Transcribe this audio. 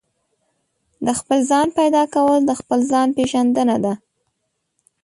د خپل ځان پيدا کول د خپل ځان پېژندنه ده.